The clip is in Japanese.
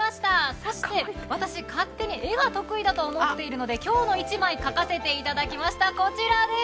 そして私、勝手に絵が得意だと思っているので、今日の一枚を描かせていただきました。